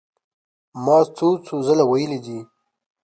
ما څو څو ځله وئيلي دي